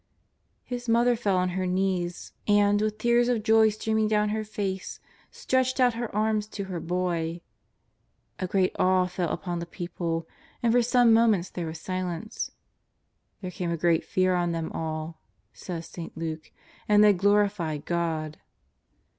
His mother fell on her knees, and, with tears of joy stream ing down her face, stretched out her arms to her boy. A great awe fell upon the people, and for some momenta there was silence. '^ There came a great fear on them all," says St. Luke, " and they glorified God."